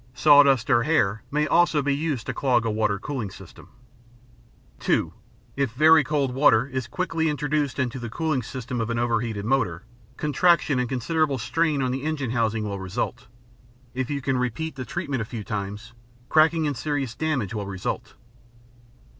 Sawdust or hair may also be used to clog a water cooling system. (2) If very cold water is quickly introduced into the cooling system of an overheated motor, contraction and considerable strain on the engine housing will result. If you can repeat the treatment a few times, cracking and serious damage will result.